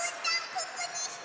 ここでした！